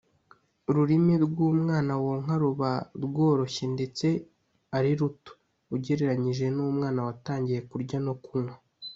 Ururimi rw umwana wonka ruba rworoshye ndetse ariruto ugereranyije numwana watangiye kurya no kunywa.